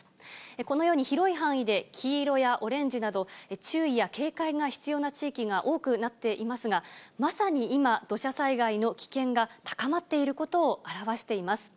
このように広い範囲で黄色やオレンジなど、注意や警戒が必要な地域が多くなっていますが、まさに今、土砂災害の危険が高まっていることを表しています。